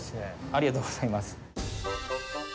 ありがとうございます。